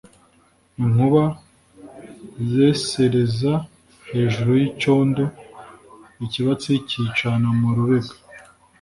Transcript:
inkuba zesereza hejuru y'icondo, ikibatsi kiyicana mu rubega